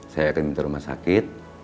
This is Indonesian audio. saya akan minta rumah sakit